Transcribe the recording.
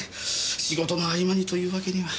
仕事の合間にというわけには。